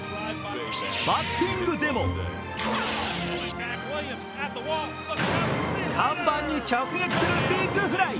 バッティングでも看板に直撃するビッグフライ。